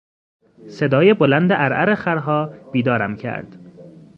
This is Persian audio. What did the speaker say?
صدای بلند عرعر خرها بیدارم کرد.